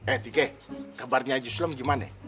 eh tikeh kabarnya yuslam gimana